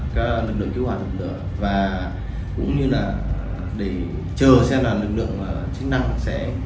các lực lượng cứu hỏa dập lửa và cũng như là để chờ xem là lực lượng chức năng sẽ